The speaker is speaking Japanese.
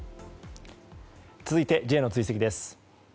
続いてＪの追跡です。